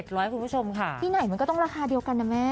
คุณผู้ชมค่ะที่ไหนมันก็ต้องราคาเดียวกันนะแม่